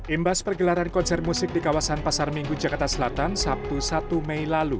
imbas pergelaran konser musik di kawasan pasar minggu jakarta selatan sabtu satu mei lalu